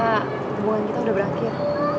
hubungan kita udah berakhir